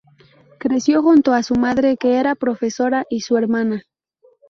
Creció junto a su madre, que era profesora, y su hermana.